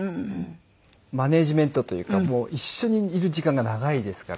マネジメントというかもう一緒にいる時間が長いですから。